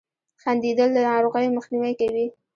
• خندېدل له ناروغیو مخنیوی کوي.